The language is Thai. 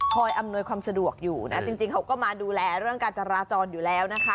อำนวยความสะดวกอยู่นะจริงเขาก็มาดูแลเรื่องการจราจรอยู่แล้วนะคะ